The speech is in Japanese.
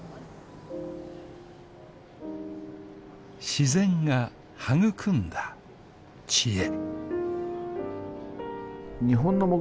自然が育んだ知恵